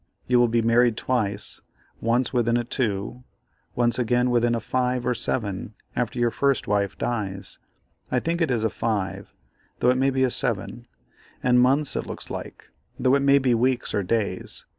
You will be married twice; once within a 2, once again within a 5 or 7 after your first wife dies. I think it is a 5, though it may be a 7; and months it looks like, though it may be weeks or days.